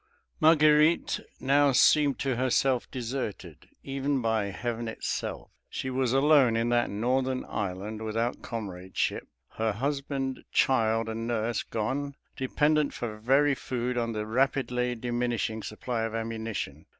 Marguerite now seemed to herself deserted, even by Heaven itself; she was alone in that northern island without comradeship; her husband, child, and nurse gone; dependent for very food on the rapidly diminishing supply of ammunition.